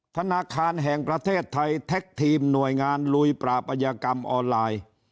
ธนาคารแห่งประเทศไทยแท็กทีมหน่วยงานลุยปราปัยกรรมออนไลน์